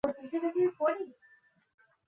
তোমার কি মনে হয় না, তুমি বাড়াবাড়ি করছ?